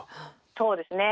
そうですね。